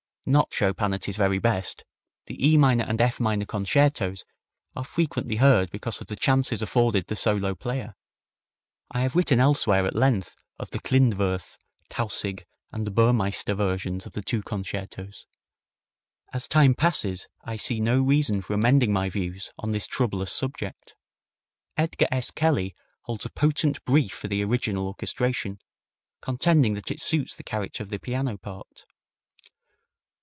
Not Chopin at his very best, the E minor and F minor concertos are frequently heard because of the chances afforded the solo player. I have written elsewhere at length of the Klindworth, Tausig and Burmeister versions of the two concertos. As time passes I see no reason for amending my views on this troublous subject. Edgar S. Kelly holds a potent brief for the original orchestration, contending that it suits the character of the piano part.